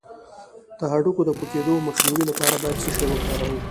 د هډوکو د پوکیدو مخنیوي لپاره باید څه شی وکاروم؟